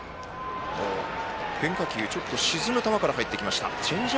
変化球、ちょっと沈む球から入ってきました。